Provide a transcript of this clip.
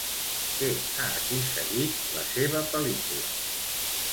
Què ha aconseguit la seva pel·lícula?